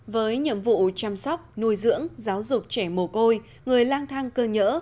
với nhiệm vụ chăm sóc nuôi dưỡng giáo dục trẻ mồ côi người lang thang cơ nhỡ